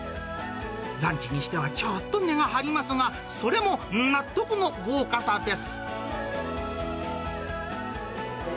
ランチにしてはちょっと値が張りますが、それも納得の豪華さです。